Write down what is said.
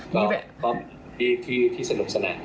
ก็มีที่สนุกสนับ